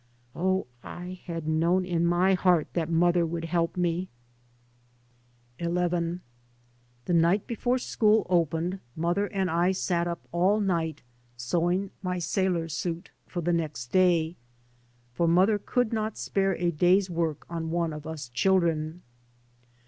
Oh, I had known in my heart that mother would help me I 3 by Google XI THE night before school opened mother and I sat up all night sewing my sailor suit for the next day, for mother could not spare a day's work on one of us children.